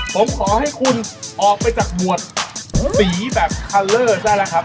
ผมขอให้คุณออกไปจากหมวดสีแบบคาเลอร์ได้แล้วครับ